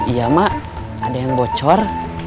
iya mak ada yang bocor